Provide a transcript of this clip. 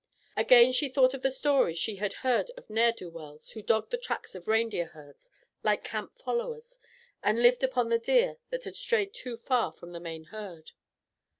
Again she thought of the stories she had heard of ne'er do wells who dogged the tracks of reindeer herds like camp followers, and lived upon the deer that had strayed too far from the main herd.